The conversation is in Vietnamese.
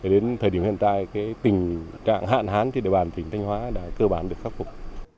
đến thời điểm hiện tại tình trạng hạn hán trên địa bàn tỉnh thanh hóa đã cơ bản được khắc phục